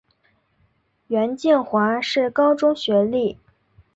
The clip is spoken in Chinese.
袁敬华是高中学历。